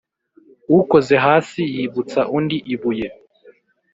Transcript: Ukoze hasi yibutsa undi ibuye.